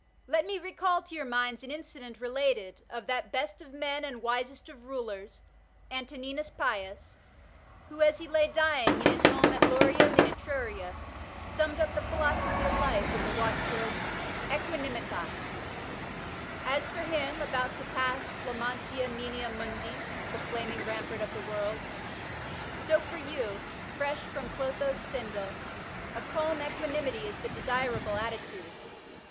Let me recall to your minds an incident related of that best of men and wisest of rulers, Antoninus Pius, who, as he lay dying, in his home at Lorium in Etruria, summed up the philosophy of life in the watch word, Aeqfianimitas, As for him, about to pass pimmtxniia moenia mundi (the flaming rampart of the world), so for you, fresh from dotho's spindle, a calm equanimity is the desirable attitude.